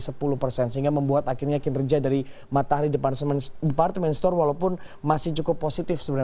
sehingga membuat akhirnya kinerja dari matahari department store walaupun masih cukup positif sebenarnya